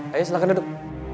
ayo silahkan duduk